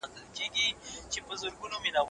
تاریخ د ابوالخطر د پلي کولو سره پیلیدلای سي.